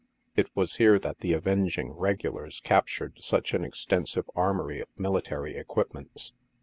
It was here that the avenging regulars captured such an extensive armory of military equipments.